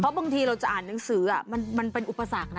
บางทีเราจะอ่านหนังสือมันเป็นอุปสรรคนะ